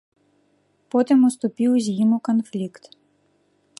Потым уступіў з ім у канфлікт.